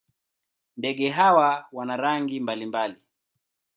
Ndege hawa wana rangi mbalimbali.